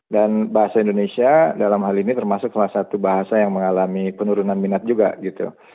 dan bahasa indonesia dalam hal ini termasuk salah satu bahasa yang mengalami penurunan minat juga gitu